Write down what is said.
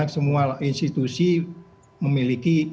semua institusi memiliki